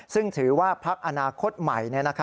ซึ่งถือว่าพักอนาคตใหม่